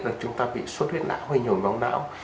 là chúng ta bị xuất huyết não hay nhồi máu não